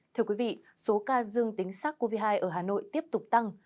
thưa quý vị số ca dương tính sắc covid một mươi chín ở hà nội tiếp tục tăng